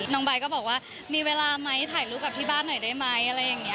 บายก็บอกว่ามีเวลาไหมถ่ายรูปกับที่บ้านหน่อยได้ไหมอะไรอย่างนี้